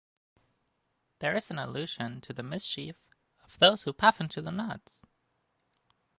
There is an allusion to the mischief of those who puff into the knots.